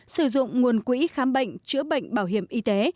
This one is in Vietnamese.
sử dụng nguồn quỹ khám bệnh chữa bệnh bảo hiểm y tế